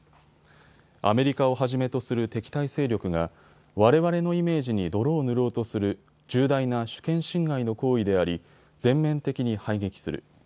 アメリカをはじめとする敵対勢力がわれわれのイメージに泥を塗ろうとする重大な主権侵害の行為であり、全面的に排撃する。